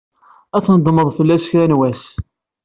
Ad tnedmed fell-as kra n wass.